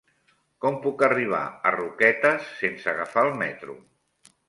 Com puc arribar a Roquetes sense agafar el metro?